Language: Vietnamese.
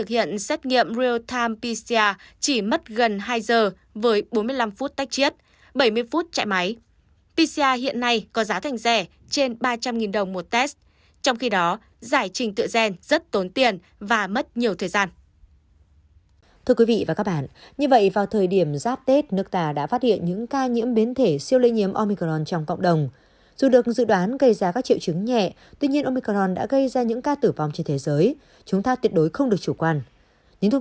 kỹ thuật xét nghiệm real time pcr hoàn toàn có thể xác định được biến thể của sars cov hai thay vì chờ đợi giải trình tựa gen